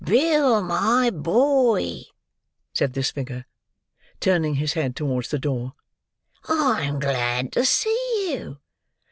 "Bill, my boy!" said this figure, turning his head towards the door, "I'm glad to see you.